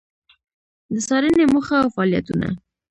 د څــارنـې موخـه او فعالیـتونـه: